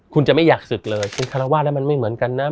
คุณจะไม่อยากศึกเลยคุณคารวาสแล้วมันไม่เหมือนกันนะ